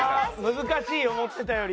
難しい思ってたより。